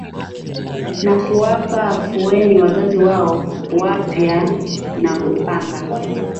na kuwapa afueni wazazi wao wapya wa kupanga